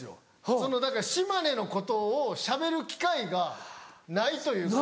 そのだから島根のことをしゃべる機会がないというか。